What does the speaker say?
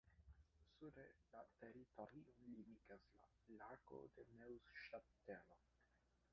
Sude la teritorion limigas la "Lago de Neŭŝatelo".